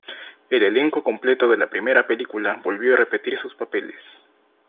El elenco completo de la primera película volvió a repetir sus papeles.